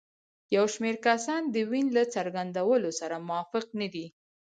یو شمېر کسان د وین له څرګندونو سره موافق نه دي.